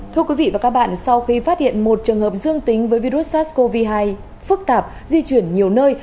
thưa quý vị và các bạn sau khi phát hiện một trường hợp dương tính với virus sars cov hai phức tạp di chuyển nhiều nơi